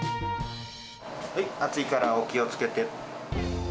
はい、熱いからお気をつけて。